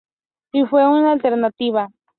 Y fue una alternativa".